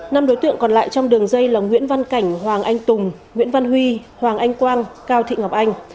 năm đối tượng còn lại trong đường dây là nguyễn văn cảnh hoàng anh tùng nguyễn văn huy hoàng anh quang cao thị ngọc anh